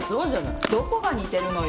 どこが似てるのよ。